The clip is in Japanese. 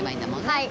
はい。